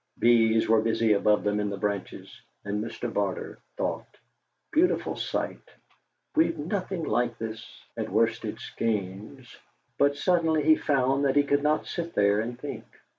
Bees were busy above them in the branches, and Mr. Barter thought: '.eautiful site. We've nothing like this at Worsted Skeynes....' But suddenly he found that he could not sit there and think.